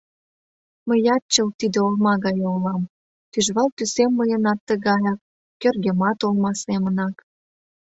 Мыят чылт тиде олма гае улам: тӱжвал тӱсем мыйынат тыгаяк, кӧргемат олма семынак.